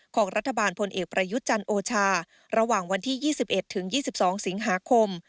ของรัฐบาลพลเอกประยุทธ์จันทร์โอชาระหว่างวันที่๒๑๒๒สิงหาคม